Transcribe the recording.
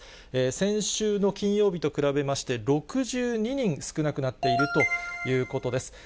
先週の金曜日と比べまして、６２人少なくなっているということです。